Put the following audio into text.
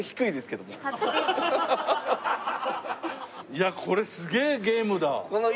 いやこれすげえゲームだ。